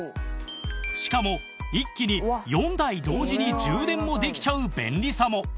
しかも一気に４台同時に充電もできちゃう便利さも